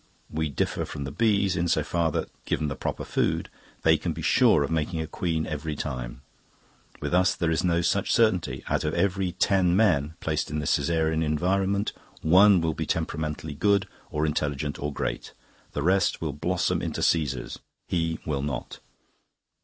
We differ from the bees in so far that, given the proper food, they can be sure of making a queen every time. With us there is no such certainty; out of every ten men placed in the Caesarean environment one will be temperamentally good, or intelligent, or great. The rest will blossom into Caesars; he will not.